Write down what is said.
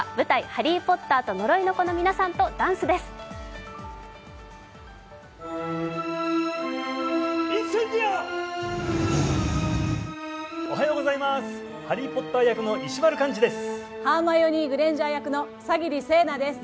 「ハリー・ポッターと呪いの子」の皆さんとダンスです。